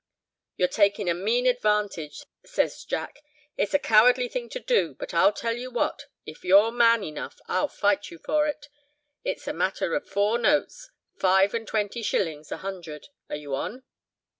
"You're takin' a mean advantage," says Jack, "it's a cowardly thing to do. But I'll tell you what, if you're man enough, I'll fight you for it—it's a matter of four notes—five and twenty shillings a hundred—are you on?"